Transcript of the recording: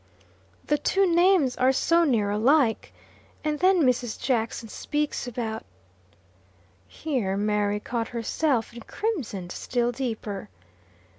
"The two names are so near alike, and then Mrs. Jackson speaks about ." Here Mary caught herself, and crimsoned still deeper.